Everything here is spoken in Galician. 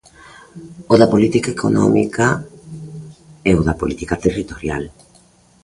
O da política económica e o da política territorial.